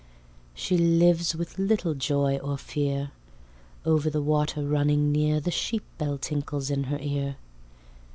She lives with little joy or fear. Over the water, running near, The sheepbell tinkles in her ear.